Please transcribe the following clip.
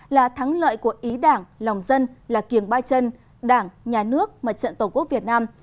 là thắng lợi của ý đảng lòng dân là kiềng ba chân đảng nhà nước mặt trận tổ quốc việt nam